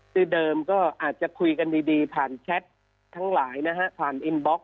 คือเดิมก็อาจจะคุยกันดีผ่านแชททั้งหลายนะฮะผ่านอินบล็ก